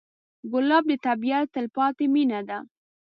ګلاب د طبیعت تلپاتې مینه ده.